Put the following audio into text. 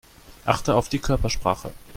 Achte auf die Körpersprache.